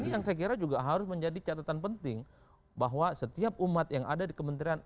ini yang saya kira juga harus menjadi catatan penting bahwa setiap umat yang ada di kementerian